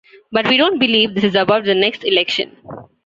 But we don't believe this is about the next election.